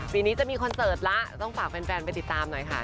ปีนี้จะมีคอนเสิร์ตแล้วต้องฝากแฟนไปติดตามหน่อยค่ะ